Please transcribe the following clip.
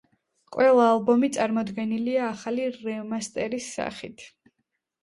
ყველა ალბომი წარმოდგენილია ახალი რემასტერის სახით.